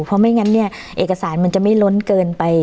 เพราะไม่งั้นเนี่ยเอกสารมันจะไม่ล้นเกินไป